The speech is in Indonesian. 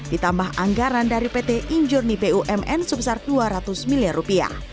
ditambah anggaran dari pt injurni pumn sebesar dua ratus miliar rupiah